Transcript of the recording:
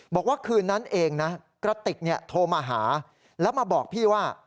บอกว่าคืนนั้นเองนะกระติกโทรมาหาแล้วมาบอกพี่ว่า